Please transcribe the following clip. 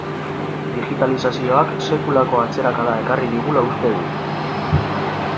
Digitalizazioak sekulako atzerakada ekarri digula uste dut.